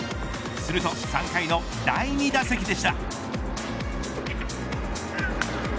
すると３回の第２打席でした。